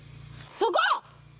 そこ！